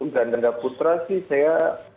dan ganda putra sih saya